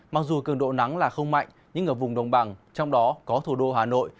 mặc dù cường độ nắng là không mạnh nhưng ở vùng đồng bằng trong đó có thủ đô hà nội